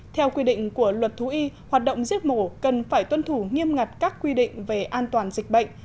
theo quy định của luật thú y hoạt động giết mổ cần phải tuân thủ nghiêm ngặt các quy định về an toàn dịch bệnh